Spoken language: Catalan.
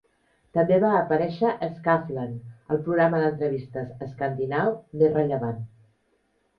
També va aparèixer a "Skavlan", el programa d'entrevistes escandinau més rellevant.